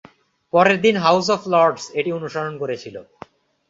পরের দিন House of Lords এটি অনুসরণ করেছিল।